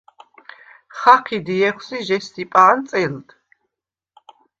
ხაჴიდ ჲეხვს ი ჟესსიპა̄ნ წელდ.